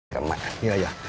jalan kaki dulu bang ustadz